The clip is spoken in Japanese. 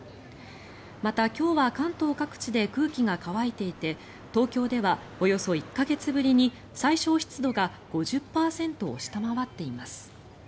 また、今日は関東各地で空気が乾いていて東京ではおよそ１か月ぶりに最小湿度が５０％を下回っています。